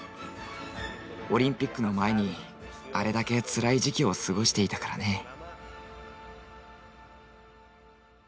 オリンピックの前にあれだけつらい時期を過ごしていたからね。